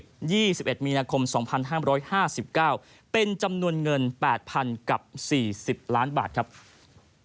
ซึ่งต้องการตามการจำนวนเท่าไหร่สำหรัดมาตรวจจ่ายและเมื่อไหร่จะตามการตามการจำนวนเท่าไหร่ช่วยความถี่ย่านที่มีขับอย่างถึงกับมาตรวจน้ำเน่นที่ได้